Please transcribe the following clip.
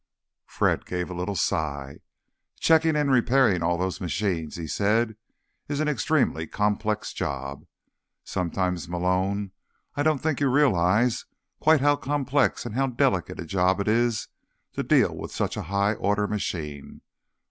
Fred gave a little sigh. "Checking and repairing all those machines," he said, "is an extremely complex job. Sometimes, Malone, I don't think you realize quite how complex and how delicate a job it is to deal with such a high order machine.